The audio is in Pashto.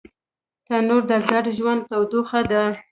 تنور د ګډ ژوند تودوخه ده